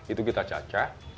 itu kita cacah